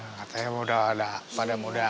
mana nih katanya pada muda